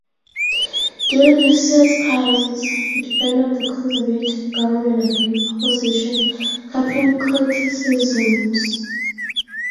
During the Suez Crisis, he defended the Conservative Government against opposition "carping criticisms".